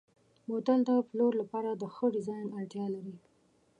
بوتل د پلور لپاره د ښه ډیزاین اړتیا لري.